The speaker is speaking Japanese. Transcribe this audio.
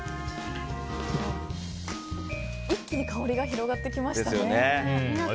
一気に香りが広がってきましたね。